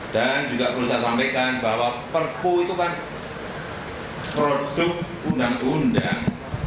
dan juga perlu saya sampaikan bahwa perpu itu kan produk undang undang